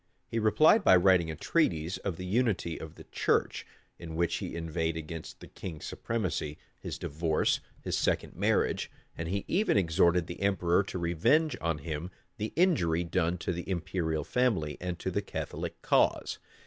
He replied by writing a treatise of the Unity of the Church, in which he inveighed against the king's supremacy, his divorce, his second marriage; and he even exhorted the emperor to revenge on him the injury done to the imperial family and to the Catholic cause.